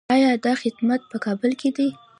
آیا دا خدمات په کابل کې دي؟